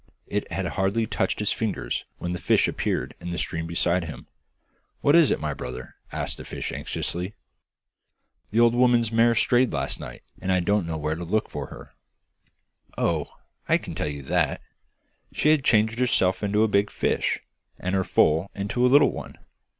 It had hardly touched his fingers when the fish appeared in the stream beside him. 'What is it, my brother?' asked the fish anxiously. 'The old woman's mare strayed last night, and I don't know where to look for her.' 'Oh, I can tell you that: she has changed herself into a big fish, and her foal into a little one.